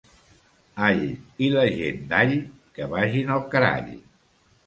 All i la gent d'All, que vagin al carall.